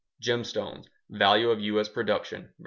Gemstones: Value of U.S. production vs.